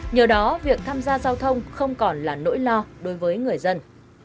nhờ đó việc tham gia giao thông không còn là nỗi lo đối với người dân